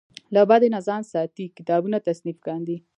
له بدۍ نه ځان ساتي کتابونه تصنیف کاندي.